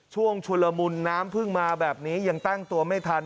ชุลมุนน้ำพึ่งมาแบบนี้ยังตั้งตัวไม่ทัน